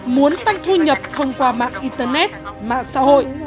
muốn tăng thu nhập thông qua mạng internet mạng xã hội